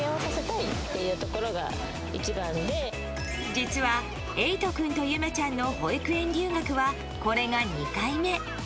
実はエイト君とユメちゃんの保育園留学は、これが２回目。